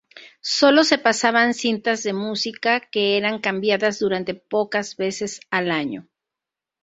Solo se pasaban cintas de música que eran cambiadas durante pocas veces al año.